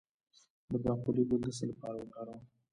د باقلي ګل د څه لپاره وکاروم؟